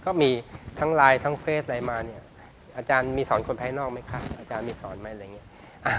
ก็มีทั้งไลน์ทั้งเฟสอะไรมาเนี่ยอาจารย์มีสอนคนภายนอกไหมคะอาจารย์มีสอนไหมอะไรอย่างนี้